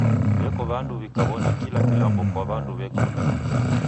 W'eko w'andu w'ikawona kila kilambo kwa wandu w'ekunda.